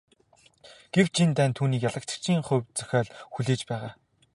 Гэвч энэ дайнд түүнийг ялагдагчийн хувь зохиол хүлээж байгаа.